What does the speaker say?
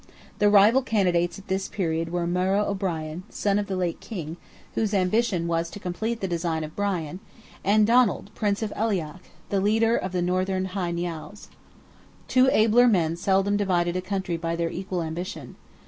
The rival candidates at this period were Murrogh O'Brien, son of the late king, whose ambition was to complete the design of Brian, and Donald, Prince of Aileach, the leader of the Northern Hy Nials. Two abler men seldom divided a country by their equal ambition.